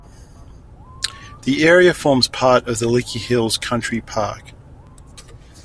The area forms part of the Lickey Hills Country Park.